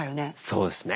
そうですね。